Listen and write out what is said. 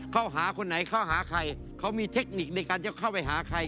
เข้าหาคนไหนเข้าหาใครเขามีเทคนิคในการจะเข้าไปหาใคร